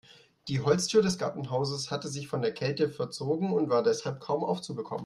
Die Holztür des Gartenhauses hatte sich von der Kälte verzogen und war deshalb kaum aufzubekommen.